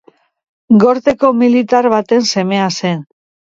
Gorteko militar baten semea zen.